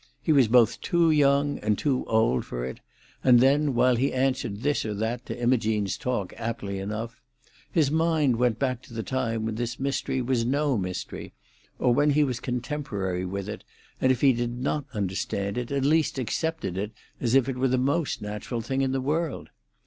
he was both too young and too old for it; and then, while he answered this or that to Imogene's talk aptly enough, his mind went back to the time when this mystery was no mystery, or when he was contemporary with it, and if he did not understand it, at least accepted it as if it wore the most natural thing in the world.